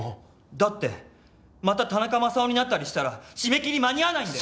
だってまた田中マサオになったりしたら締め切り間に合わないんだよ！